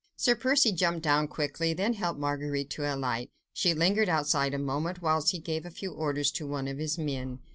Sir Percy jumped down quickly, then helped Marguerite to alight. She lingered outside for a moment, whilst he gave a few orders to one of his men.